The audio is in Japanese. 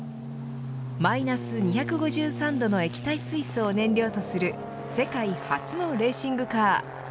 マイナス２５３度の液体水素を燃料とする世界初のレーシングカー。